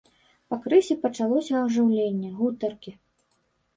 Пакрысе пачалося ажыўленне, гутаркі.